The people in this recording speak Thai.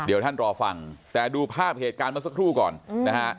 เดี๋ยวท่านรอฟังแต่ดูภาพเหตุการณ์เมื่อสักครู่ก่อนนะฮะ